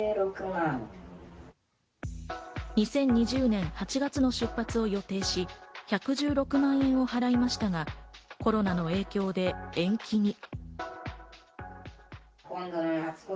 ２０２０年８月の出発を予定し、１１６万円を支払いましたが、コロナの影響で延期に。